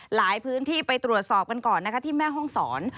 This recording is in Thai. หลายพื้นที่ไปตรวจสอบกันก่อนนะคะที่แม่ห้องศร